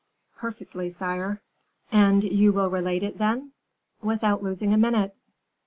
_" "Perfectly, sire." "And you will relate it, then?" "Without losing a minute."